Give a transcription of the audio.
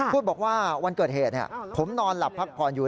พูดบอกว่าวันเกิดเหตุผมนอนหลับพักผ่อนอยู่